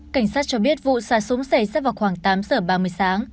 cảnh sát cho biết vụ xả súng xảy ra vào khoảng tám giờ ba mươi sáng